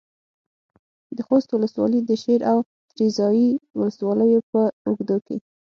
د خوست والي د شېر او تریزایي ولسوالیو په اوږدو کې